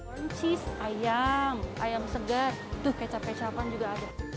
crunches ayam ayam segar tuh kecap kecapan juga ada